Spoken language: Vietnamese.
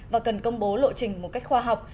và cần công bố lộ trình một cách khoa học